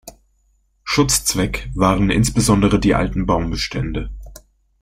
Schutzzweck waren insbesondere die alten Baumbestände.